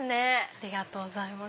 ありがとうございます。